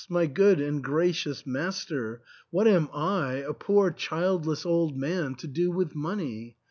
my good and gracious master, what am I, a poor THE ENTAIL, 283 childless old man, to do with money